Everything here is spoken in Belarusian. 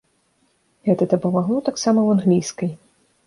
Гэта дапамагло таксама ў англійскай.